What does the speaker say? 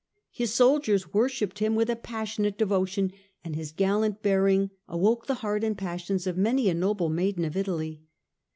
His soldiers worshipped him with a passionate devotion, and his gallant bearing awoke the heart and passions of many a noble maiden of Italy.